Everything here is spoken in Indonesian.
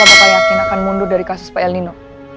apakah yakin akan mundur dari kasus pak el nino